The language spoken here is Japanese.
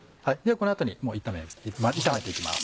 この後にもう炒めていきます。